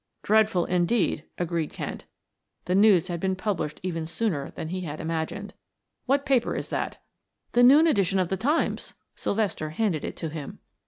"Dreadful, indeed," agreed Kent; the news had been published even sooner than he had imagined. "What paper is that?" "The noon edition of the Times." Sylvester handed it to him.